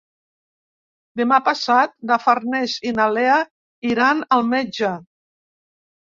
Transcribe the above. Demà passat na Farners i na Lea iran al metge.